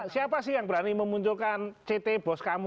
siapa sih yang berani memunculkan ct bos kamu